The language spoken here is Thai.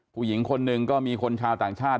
ผู้หญิงคนหนึ่งก็มีคนชาวต่างชาติ